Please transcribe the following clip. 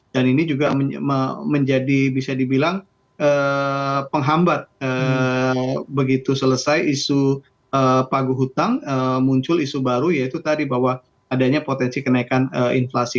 dan ini juga menjadi bisa dibilang penghambat begitu selesai isu pagu hutang muncul isu baru yaitu tadi bahwa adanya potensi kenaikan inflasi